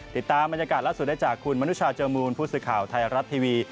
ติดตามบรรยากาศล่าสุดได้จากคุณมนุชาเจอมูลผู้สื่อข่าวไทยรัฐทีวี